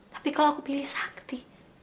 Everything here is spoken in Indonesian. tapi kalau aku pilih sakti